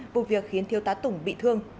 vụ việc khiến thiếu tá tùng bị thương